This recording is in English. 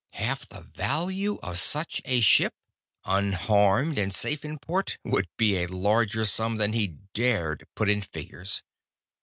Half the value of such a ship, unharmed and safe in port, would be a larger sum than he dared put in figures.